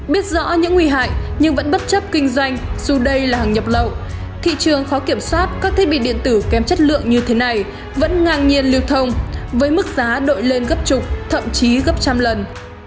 biết rõ những nguy hại nhưng vẫn bất chấp kinh doanh dù đây là hàng nhập lậu thị trường khó kiểm soát các thiết bị điện tử kém chất lượng như thế này vẫn ngang nhiên lưu thông với mức giá đội lên gấp chục thậm chí gấp trăm lần